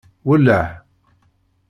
Welleh.